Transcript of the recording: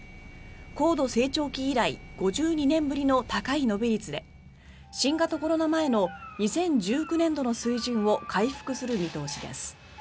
高度成長期以来５２年ぶりの高い伸び率で新型コロナ前の２０１９年度の水準を回復する見通しです。